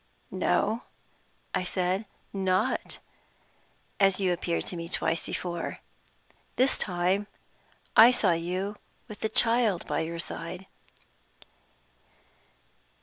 "No," I said. "Not as you appeared to me twice before. This time I saw you with the child by your side."